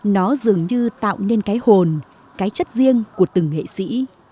nó dường như tạo nên cái hồn cái chất riêng của từng nghệ sĩ